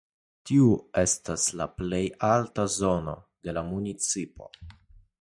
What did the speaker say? Tiu estas la plej alta zono de la municipo.